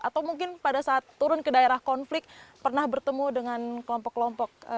atau mungkin pada saat turun ke daerah konflik pernah bertemu dengan kelompok kelompok